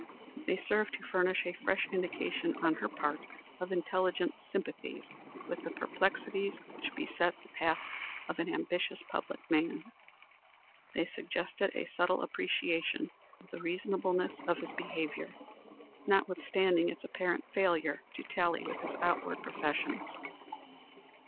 They served to furnish a fresh indication on her part of intelligent sympathy with the perplexities which beset the path of an ambitious public man. They suggested a subtle appreciation of the reasonableness of his behavior, notwithstanding its apparent failure to tally with his outward professions.